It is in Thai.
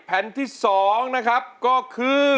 แผ่นที่๒นะครับก็คือ